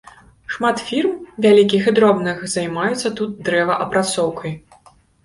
Шмат фірм, вялікіх і дробных, займаецца тут дрэваапрацоўкай.